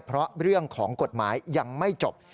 เพราะเรื่องของกฎหมายยังไม่จบ